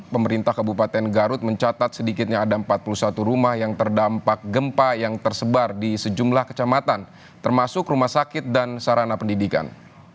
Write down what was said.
pemerintah kabupaten garut mencatat sedikitnya ada empat puluh satu rumah yang terdampak gempa yang tersebar di sejumlah kecamatan termasuk rumah sakit dan sarana pendidikan